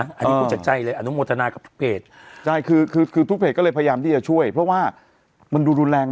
อันนี้พูดจากใจเลยอนุโมทนากับเพจใช่คือคือทุกเพจก็เลยพยายามที่จะช่วยเพราะว่ามันดูรุนแรง